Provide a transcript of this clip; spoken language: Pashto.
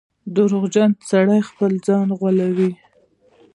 • دروغجن سړی خپل ځان غولوي.